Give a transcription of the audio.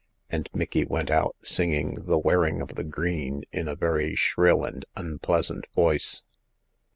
and Micky went out, singing " The Wearing of the Green " in a very shrill and unpleasant voice.